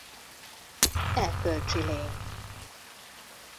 Erkölcsi lény.